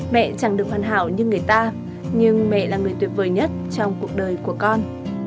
mẹ chẳng được hoàn hảo như người ta nhưng mẹ là người tuyệt vời nhất trong cuộc đời của con